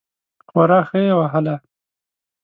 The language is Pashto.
خورا ښه یې وهله.